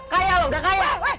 kalian udah kaya